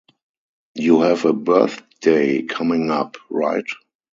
You have a birthday coming up, right?